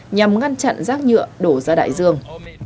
nhằm ngăn chặn rác nhựa đổ ra đại dương